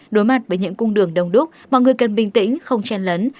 đối mặt với những cung đường đông đúc mọi người cần bình tĩnh không chen lấn